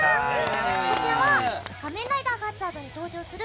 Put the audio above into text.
こちらは「仮面ライダーガッチャード」に登場する